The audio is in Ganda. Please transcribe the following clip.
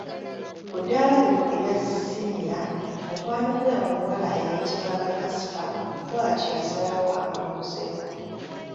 Ku ddaala lino erya ssiniya, Mukwano gwe omuwala eyayitibwanga Kasifa bwatyo yasalawo amwebuuzeeko.